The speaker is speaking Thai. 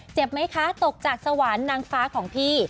ไหมคะตกจากสวรรค์นางฟ้าของพี่